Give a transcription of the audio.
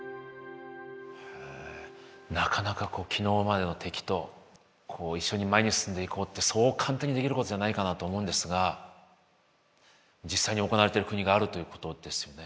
へえなかなかこう昨日までの敵と一緒に前に進んでいこうってそう簡単にできることじゃないかなと思うんですが実際に行われてる国があるということですよね。